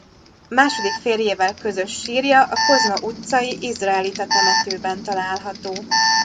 Második férjével közös sírja a Kozma utcai izraelita temetőben található.